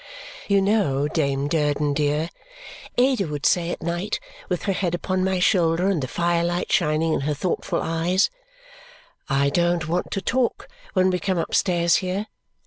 "You know, Dame Durden, dear," Ada would say at night, with her head upon my shoulder and the firelight shining in her thoughtful eyes, "I don't want to talk when we come upstairs here.